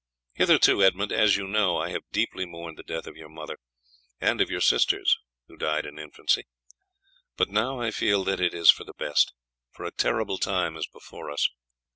Hitherto, Edmund, as you know, I have deeply mourned the death of your mother, and of your sisters who died in infancy; but now I feel that it is for the best, for a terrible time is before us.